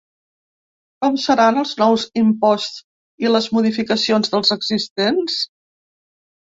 Com seran els nous imposts i les modificacions dels existents?